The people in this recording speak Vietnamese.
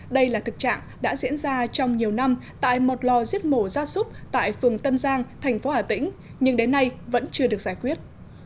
đây là thực trạng đã diễn ra trong nhiều năm tại một lò giết mổ ra súc tại phường tân giang thành phố hà tĩnh nhưng đến nay vẫn chưa được giải quyết